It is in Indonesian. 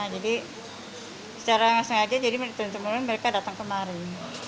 jadi secara langsung aja jadi menurut turun mereka datang kemari